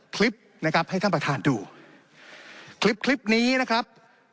คลิปนะครับให้ท่านประธานดูคลิปคลิปนี้นะครับ